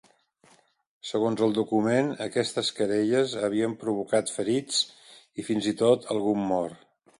Segons el document, aquestes querelles havien provocat ferits i fins i tot algun mort.